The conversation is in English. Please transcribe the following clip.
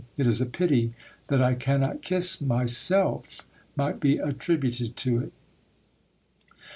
("It is a pity that I cannot kiss myself," might be attributed to it.)